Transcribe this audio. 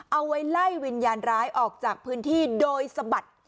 เอาไว้ไล่วิญญาณร้ายออกจากพื้นที่โดยสะบัด